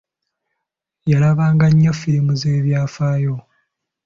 Yalabanga nnyo firimu z'ebyafaayo.